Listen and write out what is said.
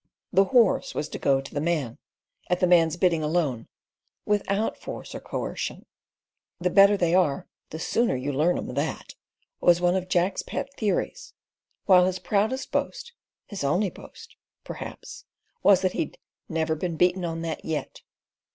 The horse was to go to the man, at the man's bidding alone, without force or coercion. "The better they are the sooner you learn 'em that," was one of Jack's pet theories, while his proudest boast—his only boast—perhaps was that he'd "never been beaten on that yet."